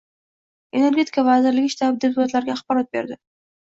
Energetika vazirligi shtabi deputatlarga axborot berdi